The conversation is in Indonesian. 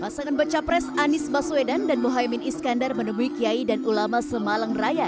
pasangan bercapres anies baswedan dan muhaimin iskandar menemui kiai dan ulama semalang raya